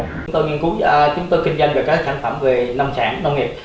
chúng tôi nghiên cứu chúng tôi kinh doanh được các sản phẩm về nông sản nông nghiệp